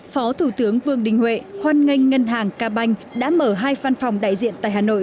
phó thủ tướng vương đình huệ hoan nghênh ngân hàng ca banh đã mở hai văn phòng đại diện tại hà nội